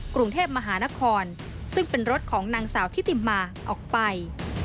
กรุงเทพมหานครซึ่งเป็นรถของนางสาวทิติมาออกไป